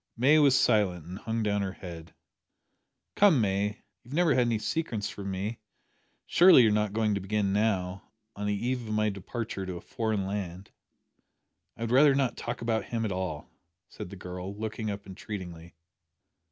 May was silent, and hung down her head. "Come, May, you've never had any secrets from me. Surely you're not going to begin now on the eve of my departure to a foreign land?" "I would rather not talk about him at all," said the girl, looking up entreatingly.